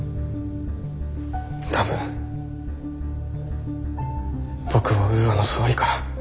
多分僕をウーアの総理から。